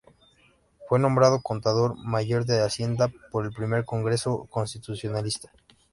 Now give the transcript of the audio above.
Fue nombrado Contador Mayor de Hacienda por el Primer Congreso Constitucionalista.